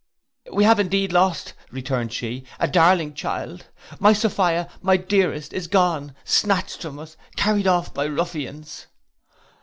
'We have indeed lost,' returned she, 'a darling child. My Sophia, my dearest, is gone, snatched from us, carried off by ruffians!